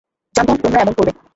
জানতাম তোমরা এমন করবে।